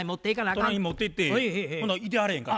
隣に持っていってほないてはれへんから。